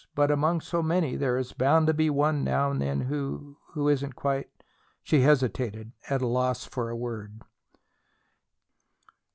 But among so many there is bound to be one now and then who who isn't quite " She hesitated, at a loss for a word.